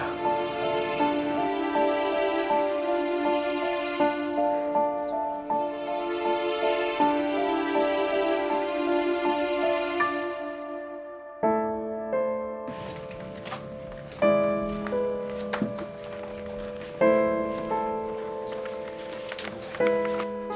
saya tidak berkata